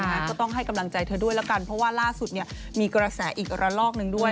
ก็ต้องให้กำลังใจเธอด้วยแล้วกันเพราะว่าล่าสุดเนี่ยมีกระแสอีกระลอกหนึ่งด้วย